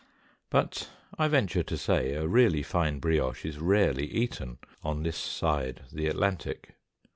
But I venture to say, a really fine brioche is rarely eaten on this side the Atlantic.